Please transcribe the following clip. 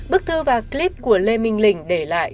bức thư và clip của lê minh linh để lại